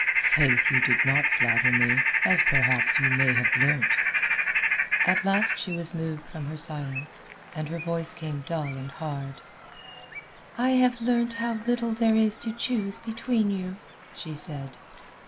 Faith, you did not flatter me, as perhaps you may have learnt." At last she was moved from her silence, and her voice came dull and hard. "I have learnt how little there is to choose between you," she said.